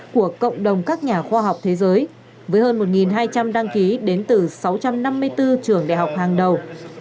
của cộng đồng các nhà khoa học thế giới với hơn một hai trăm linh đăng ký đến từ sáu trăm năm mươi bốn trường đại học hàng đầu